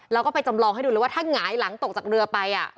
แล้วก็ไปจำลองให้ดูเลยว่าถ้าหงายหลังตกจากเรือไป